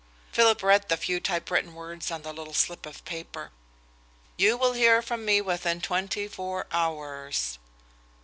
Philip read the few typewritten words on the little slip of paper: "You will hear from me within twenty four hours."